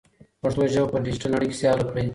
پښتو ژبه په ډیجیټل نړۍ کې سیاله کړئ.